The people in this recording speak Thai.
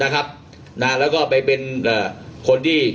แล้วก็ไปเป็นคนที่